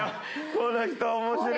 この人面白え。